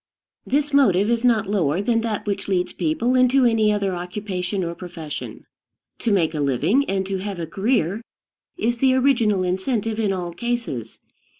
This motive is not lower than that which leads people into any other occupation or profession. To make a living, and to have a career, is the original incentive in all cases.